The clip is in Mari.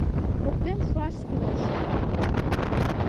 Поктен шуаш кӱлеш.